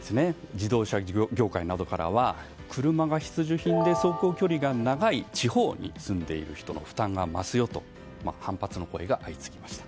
自動車業界などからは車が必需品で走行距離が長い地方に住んでいる人の負担が増すよと反発の声が相次ぎました。